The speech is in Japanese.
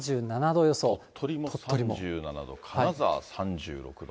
鳥取も３７度、金沢３６度。